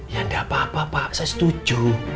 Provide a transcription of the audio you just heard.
ya nggak apa apa pak saya setuju